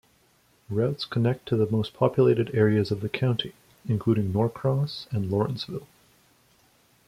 Routes connect to the most populated areas of the county, including Norcross and Lawrenceville.